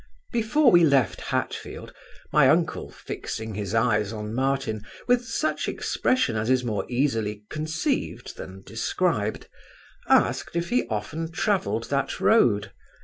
Before we left Hatfield, my uncle, fixing his eyes on Martin with such expression as is more easily conceived than described, asked, if he often travelled that road?